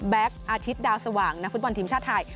อาทิตย์ดาวสว่างนักฟุตบอลทีมชาติไทย